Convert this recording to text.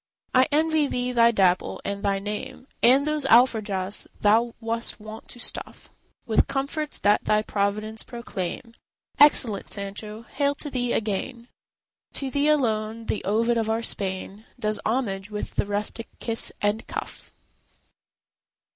I envy thee thy Dapple, and thy name, And those alforjas thou wast wont to stuff With comforts that thy providence proclaim. Excellent Sancho! hail to thee again! To thee alone the Ovid of our Spain Does homage with the rustic kiss and cuff.